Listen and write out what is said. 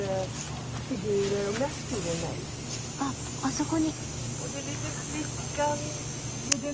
あっあそこに。